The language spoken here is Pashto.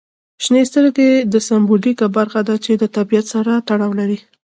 شنې سترګې د سمبولیکه برخه ده چې د طبیعت سره تړاو لري.